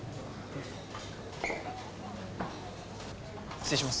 失礼します。